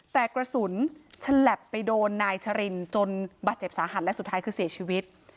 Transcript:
แต่กระสุนฉลับไปโดนนายชรินจนบาดเจ็บสาหัสและสุดท้ายคือเสียชีวิต